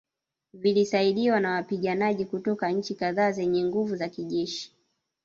Vilisaidiwa na wapiganaji kutoka nchi kadhaa zenye nguvu za kijeshi